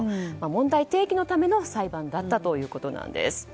問題提起のための裁判だったということです。